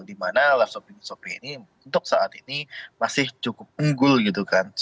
dimana live shopee nya shopee ini untuk saat ini masih cukup unggul gitu kan